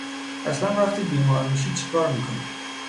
اصلن وقتی بیمار میشید چی کار میکنین؟